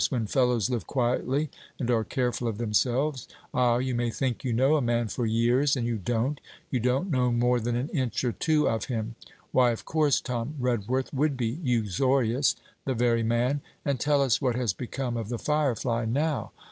when fellows live quietly and are careful of themselves. Ah! you may think you know a man for years, and you don't: you don't know more than an inch or two of him. Why, of course, Tom Redworth would be uxorious the very man! And tell us what has become of the Firefly now?